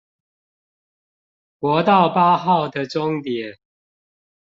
國道八號的終點